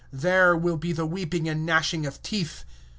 There will be the weeping, and the gnashing of teeth!